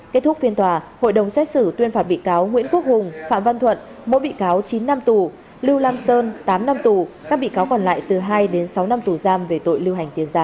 kết thúc phiên tòa hội đồng xét xử tuyên phạt bị cáo nguyễn quốc hùng phạm văn thuận mỗi bị cáo chín năm tù lưu lam sơn tám năm tù các bị cáo còn lại từ hai đến sáu năm tù giam về tội lưu hành tiền giả